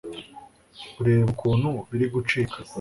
ureba ukuntu biri gucika